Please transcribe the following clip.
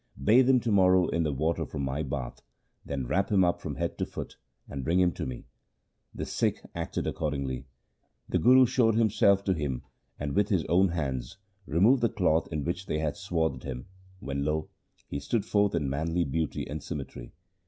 Bathe him to morrow in the water from my bath, then wrap him up from head to foot and bring him to me.' The Sikhs acted accordingly. The Guru showed himself to him, and with his own hands removed the cloth in which they had swathed him, when lo ! he stood forth in manly beauty and symmetry.